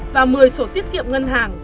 và một mươi sổ tiết kiệm ngân hàng